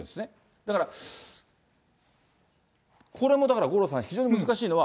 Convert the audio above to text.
だから、これもだから、五郎さん、非常に難しいのは。